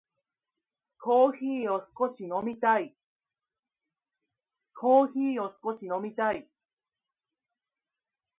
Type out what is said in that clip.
コーヒーを少し飲みたい。